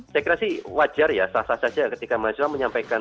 saya kira sih wajar ya sah sah saja ketika mahasiswa menyampaikan